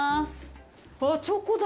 うわっ、チョコだ！